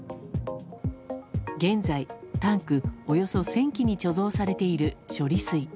現在、タンクおよそ１０００基に貯蔵されている処理水。